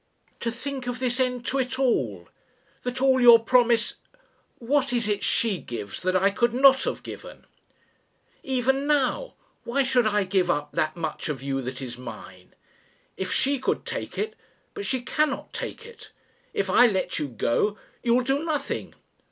"To think of this end to it all! That all your promise ... What is it she gives that I could not have given? "Even now! Why should I give up that much of you that is mine? If she could take it But she cannot take it. If I let you go you will do nothing.